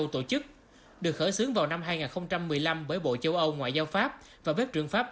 tổ chức được khởi xướng vào năm hai nghìn một mươi năm bởi bộ châu âu ngoại giao pháp và bếp trưởng pháp